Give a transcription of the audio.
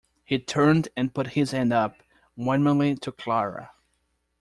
He turned and put his hand up warningly to Clara.